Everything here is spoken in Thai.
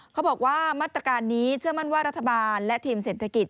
เขาบอกว่ามาตรการนี้เชื่อมั่นว่ารัฐบาลและทีมเศรษฐกิจ